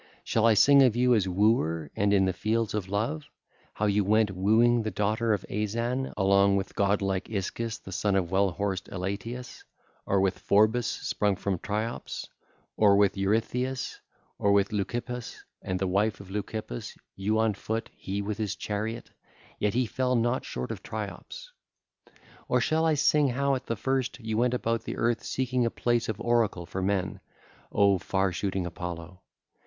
Shall I sing of you as wooer and in the fields of love, how you went wooing the daughter of Azan along with god like Ischys the son of well horsed Elatius, or with Phorbas sprung from Triops, or with Ereutheus, or with Leucippus and the wife of Leucippus.... ((LACUNA)) ....you on foot, he with his chariot, yet he fell not short of Triops. Or shall I sing how at the first you went about the earth seeking a place of oracle for men, O far shooting Apollo?